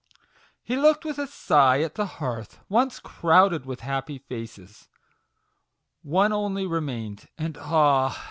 He looked with a sigh at the hearth, once crowded with happy faces. One only remained, and ah